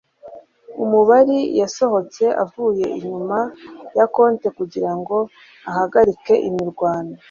umubari yasohotse avuye inyuma ya compte kugirango ahagarike imirwano